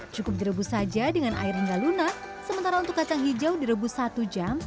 cukup direbus saja dengan air hingga lunak sementara untuk kacang hijau direbus satu jam